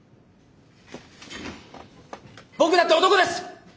僕だって男です。